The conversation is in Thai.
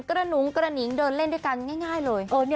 หนุงกระหนิงเดินเล่นด้วยกันง่ายเลย